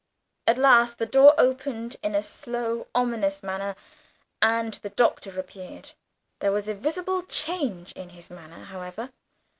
At last the door opened in a slow ominous manner, and the Doctor appeared. There was a visible change in his manner, however.